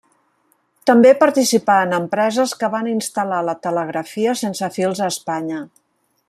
També participà en empreses que van instal·lar la telegrafia sense fils a Espanya.